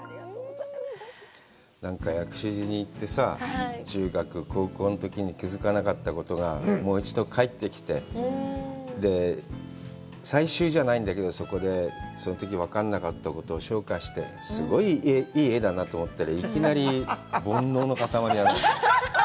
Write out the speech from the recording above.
なんか薬師寺に行ってさ、中学、高校のときに気づかなかったことがもう一度帰ってきて、最終じゃないんだけど、そこで、そのとき分からなかったことを消化して、すごいいい画だなと思ったら、いきなり煩悩の塊だね。